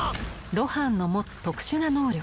露伴の持つ特殊な能力